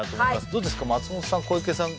どうですか松本さん小池さん